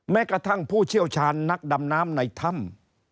แม้กระทั่งผู้เชี่ยวชาญนักดำน้ำในถ้ำ